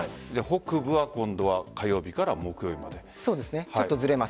北部は火曜日から木曜日まで。